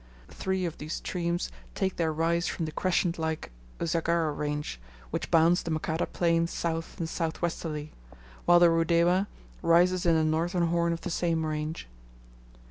Three of these streams take their rise from the crescent like Usagara range, which bounds the Makata plain south and south westerly; while the Rudewa rises in the northern horn of the same range.